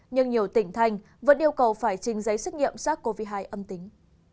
nhưng nhiều tỉnh thành vẫn yêu cầu phải trình giấy xét nghiệm sars cov hai âm tính